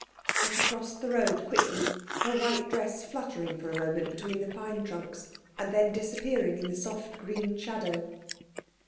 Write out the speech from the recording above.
And she crossed the road quickly, her white dress fluttering for a moment between the pine trunks, and then disappearing in the soft green shadow.